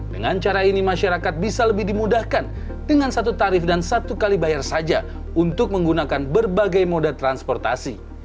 dengan cara ini masyarakat bisa lebih dimudahkan dengan satu tarif dan satu kali bayar saja untuk menggunakan berbagai moda transportasi